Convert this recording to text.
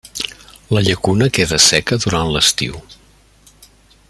La llacuna queda seca durant l'estiu.